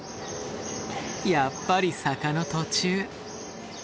やっぱり坂の途中。